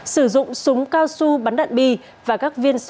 sử dụng súng cao su bắn đạn bi và các viên